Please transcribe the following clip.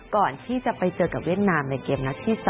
ก่อนที่จะไปเจอกับเวียดนามในเกมนัดที่๒